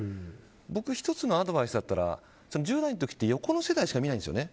僕１つのアドバイスだったら１０代の時って横の世代しか見ないんですよね